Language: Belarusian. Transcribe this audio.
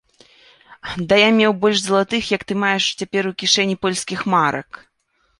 Да я меў больш залатых, як ты маеш цяпер у кішэні польскіх марак.